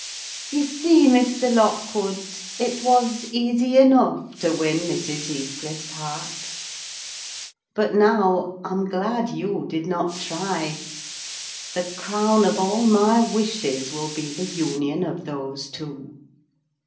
You see, Mr. Lockwood, it was easy enough to win Mrs. Heathcliff's heart. But now, I'm glad you did not try. The crown of all my wishes will be the union of those two.